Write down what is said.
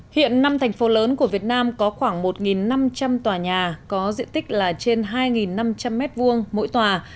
hiện năm thành phố lớn của việt nam có khoảng một năm trăm linh tòa nhà có diện tích là trên hai năm trăm linh m hai mỗi tòa